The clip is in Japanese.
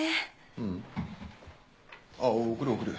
ううん。あっ送る送る。